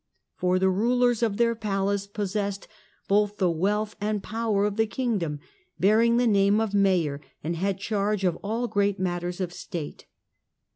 For the rulers of their palace possessed both the wealth and power of the kingdom, bearing the name of mayor, and had charge of all great matters of State.